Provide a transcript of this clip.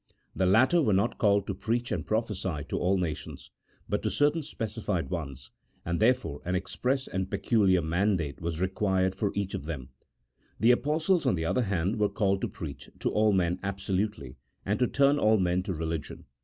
The latter were not called to preach and prophesy to all nations, but to certain specified ones, and therefore an express and peculiar man date was required for each of them ; the Apostles, on the other hand, were called to preach to all men absolutely, and to turn all men to religion.